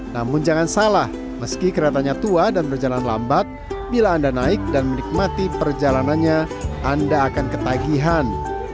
namun jangan salah meski keretanya tua dan berjalan lambat bila anda naik dan menikmati perjalanannya anda akan ketagihan